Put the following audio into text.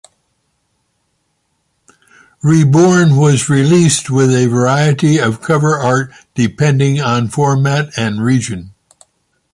"Reborn" was released with a variety of cover art, depending on format and region.